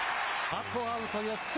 あとアウト４つ。